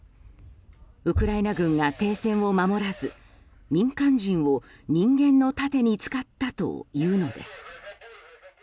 ウクライナ軍が停戦を守らず民間人を人間の盾に使ったというのです。